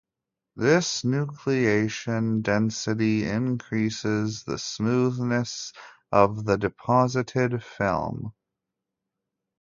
This nucleation density increases the smoothness of the deposited film.